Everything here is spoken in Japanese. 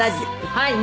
はい。